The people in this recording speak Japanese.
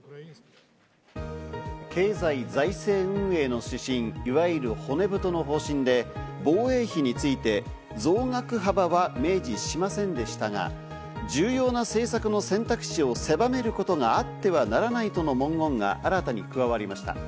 経済財政運営の指針、いわゆる骨太の方針で、防衛費について増額幅は明示しませんでしたが重要な政策の選択肢をせばめることがあってはならないとの文言が新たに加わりました。